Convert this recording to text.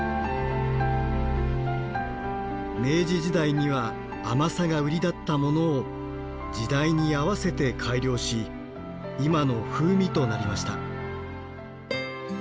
明治時代には甘さが売りだったものを時代に合わせて改良し今の風味となりました。